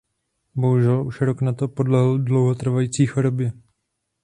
Bohužel už rok na to podlehl dlouhotrvající chorobě.